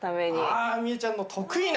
ああみえちゃんの得意な。